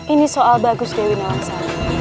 ini soal bagus dewi mewangsa